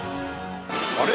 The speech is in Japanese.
あれ？